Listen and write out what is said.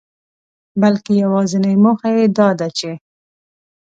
بلکي يوازنۍ موخه يې داده چي